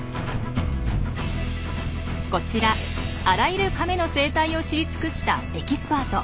こちらあらゆるカメの生態を知り尽くしたエキスパート。